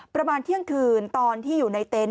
ประมาณเที่ยงคืนตอนที่อยู่ในเต็นต